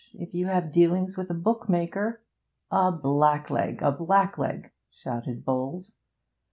If you have dealings with a book maker ' 'A blackleg, a blackleg!' shouted Bowles.